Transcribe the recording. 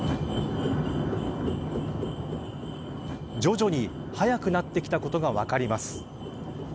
徐々に早くなってきたことが分かります。